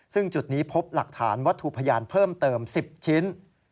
ซึ่งจุดนี้พบหลักฐานวัตถุพยานเพิ่มเติม๑๐ชิ้น